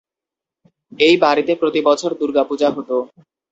এই বাড়িতে প্রতিবছর দুর্গা পূজা হতো।